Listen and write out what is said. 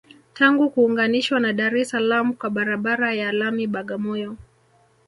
Tangu kuunganishwa na Dar es Salaam kwa barabara ya lami Bagamoyo